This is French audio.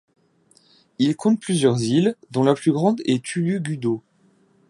Il compte plusieurs îles, dont la plus grande est Tulu Gudo.